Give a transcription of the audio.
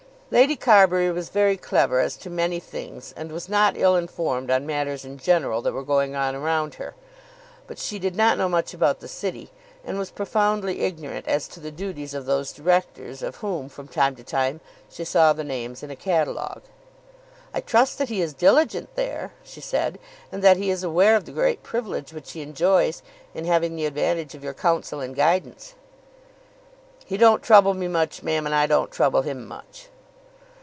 Lady Carbury was very clever as to many things, and was not ill informed on matters in general that were going on around her; but she did not know much about the city, and was profoundly ignorant as to the duties of those Directors of whom, from time to time, she saw the names in a catalogue. "I trust that he is diligent, there," she said; "and that he is aware of the great privilege which he enjoys in having the advantage of your counsel and guidance." "He don't trouble me much, ma'am, and I don't trouble him much."